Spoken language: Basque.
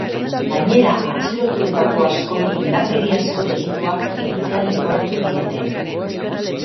Gainera, atxilotuetako askori indarkeriazko delituak egitea leporatu diete.